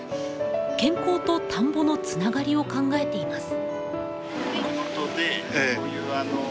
健康と田んぼのつながりを考えています。